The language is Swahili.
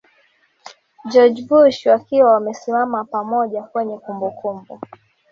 George Bush wakiwa wamesimama pamoja kwenye kumbukumbu